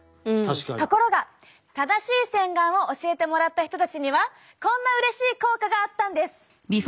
ところが正しい洗顔を教えてもらった人たちにはこんなうれしい効果があったんです。